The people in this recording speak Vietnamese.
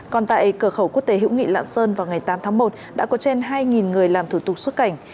còn tại cửa khẩu quốc tế hữu nghị lạng sơn vào ngày tám tháng một đã có trên hai người làm thủ tục xuất cảnh